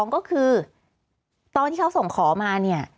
ก็คือตอนที่เขาส่งขอมาเนี่ย